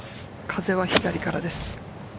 風は左からです。